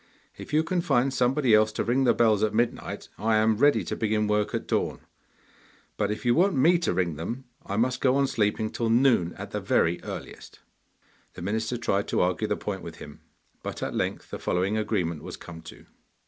If you can find somebody else to ring the bells at midnight I am ready to begin work at dawn; but if you want me to ring them I must go on sleeping till noon at the very earliest.' The minister tried to argue the point with him, but at length the following agreement was come to.